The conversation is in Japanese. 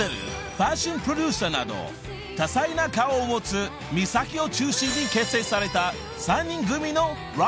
ファッションプロデューサーなど多彩な顔を持つＭｉｓａｋｉを中心に結成された３人組の］